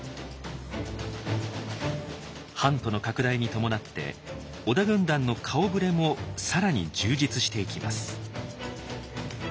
版図の拡大に伴って織田軍団の顔ぶれも更に充実していきます。